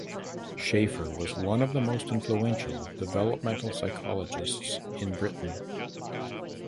Schaffer was one of the most influential developmental psychologists in Britain.